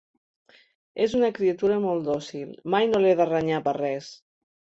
És una criatura molt dòcil; mai no l'he de renyar per res!